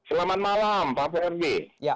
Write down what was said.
selamat malam pak pemirji